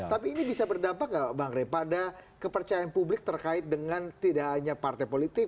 tapi ini bisa berdampak nggak bang rey pada kepercayaan publik terkait dengan tidak hanya partai politik